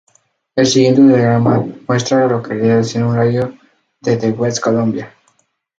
El siguiente diagrama muestra a las localidades en un radio de de West Columbia.